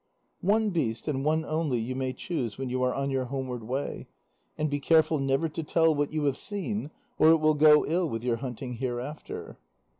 "One beast and one only you may choose when you are on your homeward way. And be careful never to tell what you have seen, or it will go ill with your hunting hereafter."